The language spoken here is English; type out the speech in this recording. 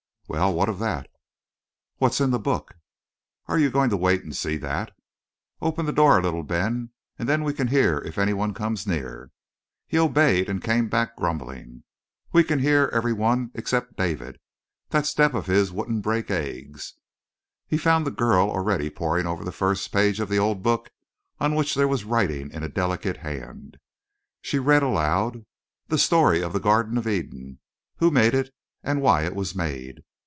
"Well, what of that?" "What's in the book?" "Are you going to wait to see that?" "Open the door a little, Ben, and then we can hear if any one comes near." He obeyed and came back, grumbling. "We can hear every one except David. That step of his wouldn't break eggs." He found the girl already poring over the first page of the old book, on which there was writing in a delicate hand. She read aloud: "The story of the Garden of Eden, who made it and why it was made.